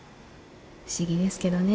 不思議ですけどね。